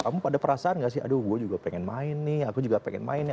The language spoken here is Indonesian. kamu pada perasaan gak sih aduh gue juga pengen main nih aku juga pengen main ya